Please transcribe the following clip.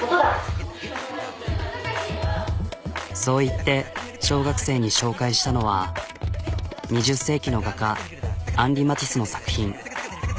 そう言って小学生に紹介したのは２０世紀の画家アンリ・マティスの作品。